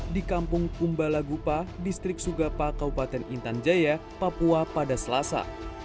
di kampung kumbalagupa distrik sugapa kaupaten intan jaya papua pada selasa